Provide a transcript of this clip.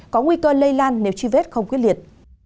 có nguy cơ lây lan nếu truy vết không quyết liệt